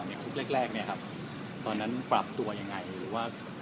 คุกแรกเนี่ยครับตอนนั้นปรับตัวยังไงหรือว่า